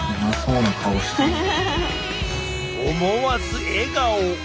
思わず笑顔！